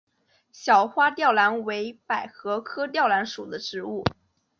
小花吊兰为百合科吊兰属的植物。